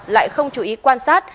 lại không chú ý quan sát